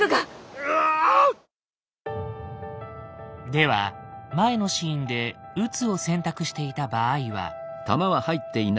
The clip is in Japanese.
では前のシーンで「撃つ」を選択していた場合は。